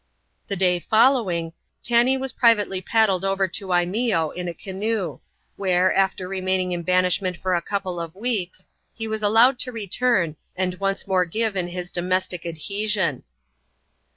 The day following, Tanee was privately paddled over to Imeeo, in a canoe ; where, after remaining in banishment for a couple of weeks, he was allowed to return, and once more give in his domestic adhesion.